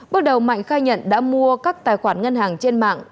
bước đầu mạnh khai nhận đã mua các tài khoản ngân hàng trên mạng